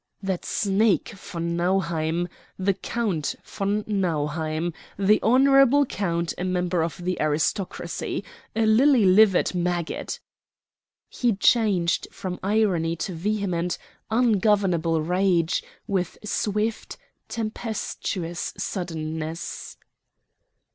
"That snake von Nauheim the Count von Nauheim. The Honorable Count, a member of the aristocracy. A lily livered maggot." He changed from irony to vehement, ungovernable rage with swift, tempestuous suddenness.